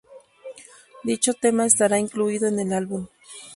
Dicho tema estará incluido en el álbum.